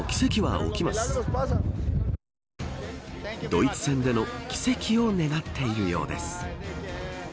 ドイツ戦での奇跡を願っているようです。